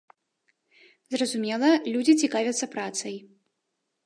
Зразумела, людзі цікавяцца працай.